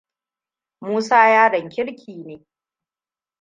Musa yaron kirki ne.